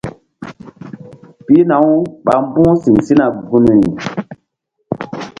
Pihna- uɓa mbu̧h siŋ sina gunri.